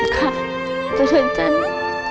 ครับก็เถินใจนะ